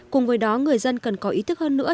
cùng với đó người dân cần có ý thức hơn nữa